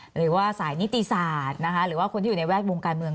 หรือว่าสายนิติศาสตร์นะคะหรือว่าคนที่อยู่ในแวดวงการเมือง